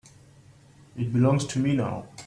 It belongs to me now.